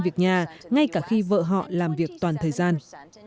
một mươi việc nhà ngay cả khi vợ họ làm việc toàn thời gian